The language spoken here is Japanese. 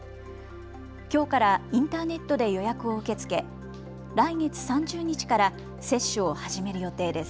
きょうからインターネットで予約を受け付け、来月３０日から接種を始める予定です。